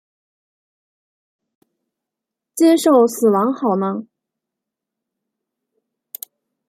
接受死亡好吗？